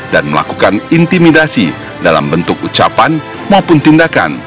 dan melakukan intimidasi dalam bentuk ucapan maupun tindakan